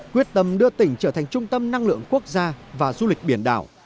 quyết tâm đưa tỉnh trở thành trung tâm năng lượng quốc gia và du lịch biển đảo